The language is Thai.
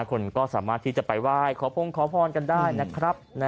คนก็สามารถที่จะไปไหว้ขอพงขอพรกันได้นะครับ